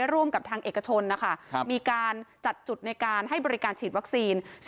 ร่วมกับทางเอกชนนะคะมีการจัดจุดในการให้บริการฉีดวัคซีน